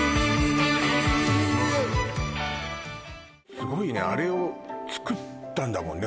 すごいねあれをつくったんだもんね